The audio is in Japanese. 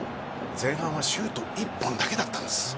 前半はシュート１本だけだったです。